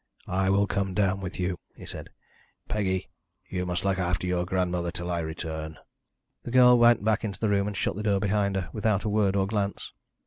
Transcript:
"I will come down with you," he said. "Peggy, you must look after your grandmother till I return." The girl went back into the room and shut the door behind her, without a word or a glance.